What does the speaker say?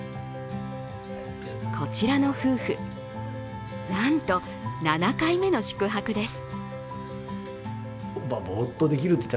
こちらの夫婦、なんと７回目の宿泊です。